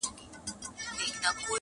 له کوچۍ پېغلي سره نه ځي د کېږدۍ سندري!!